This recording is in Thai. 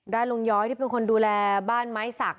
ลุงย้อยที่เป็นคนดูแลบ้านไม้สัก